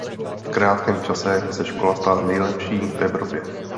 V krátkém čase se škola stala nejlepší v Evropě.